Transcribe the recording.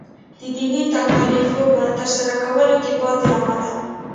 د دیني تکالیفو په ترسره کولو کې پاتې راغلی.